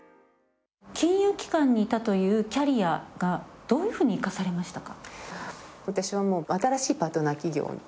金融機関にいたというキャリアがどういうふうに生かされましたか？